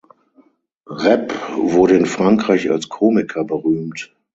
Repp wurde in Frankreich als Komiker berühmt.